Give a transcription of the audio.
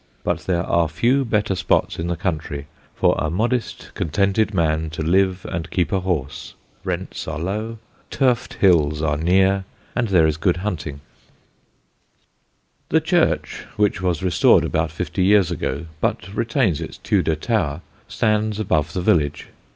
But there are few better spots in the country for a modest contented man to live and keep a horse. Rents are low, turfed hills are near, and there is good hunting. [Sidenote: A COSTLY QUART] The church, which was restored about fifty years ago, but retains its Tudor tower, stands above the village.